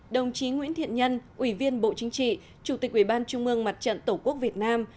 đồng chí nguyễn thiện nhân ủy viên bộ chính trị chủ tịch ubnd mặt trận tổ quốc việt nam